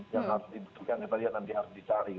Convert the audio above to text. yang harus dibutuhkan yang nanti harus dicari